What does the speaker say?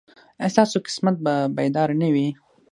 ایا ستاسو قسمت به بیدار نه وي؟